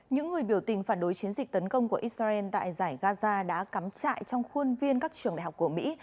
những người biểu tình phản đối chiến dịch tấn công của israel tại giải gaza đã cắm trại trong khuôn viên các trường đại học của mỹ